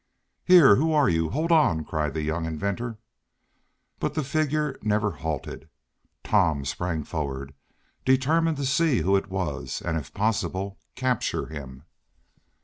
"Here! Who are you? Hold on!" cried the young inventor. But the figure never halted. Tom sprang forward, determined to see who it was, and, if possible, capture him.